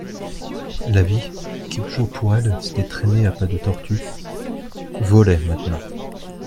La vie, qui toujours pour elle s'était traînée à pas de tortue, volait maintenant.